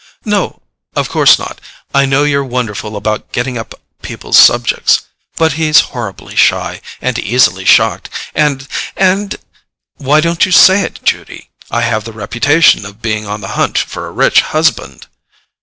"No, of course not; I know you're wonderful about getting up people's subjects. But he's horribly shy, and easily shocked, and—and——" "Why don't you say it, Judy? I have the reputation of being on the hunt for a rich husband?"